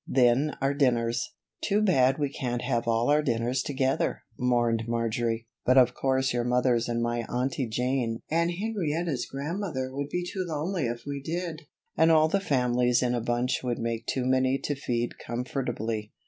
Then our dinners " "Too bad we can't have all our dinners together," mourned Marjory, "but of course your mothers and my Aunty Jane and Henrietta's grandmother would be too lonely if we did; and all the families in a bunch would make too many to feed comfortably."